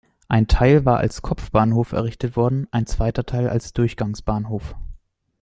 Ein Teil war als Kopfbahnhof errichtet worden, ein zweiter Teil als Durchgangsbahnhof.